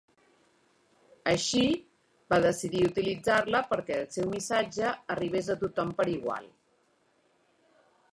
Així, va decidir utilitzar-la perquè el seu missatge arribés a tothom per igual.